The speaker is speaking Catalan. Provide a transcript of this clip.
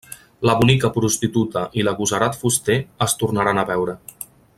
La bonica prostituta i l'agosarat fuster es tornaran a veure.